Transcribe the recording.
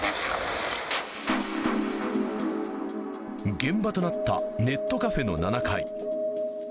現場となったネットカフェの７階。